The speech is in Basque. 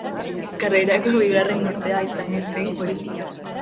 Karrerako bigarren urtean izan zen hori.